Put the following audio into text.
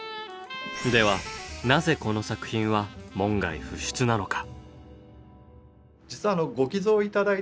ではなぜこの作品は門外不出なのか？